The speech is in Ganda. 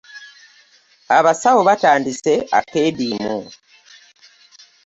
Abasawo batandise akeedimo.